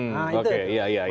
nah itu itu